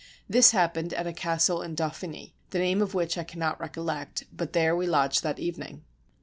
This happened at a castle in Dauphiny, the name of which I cannot recollect; but there we lodged that evening.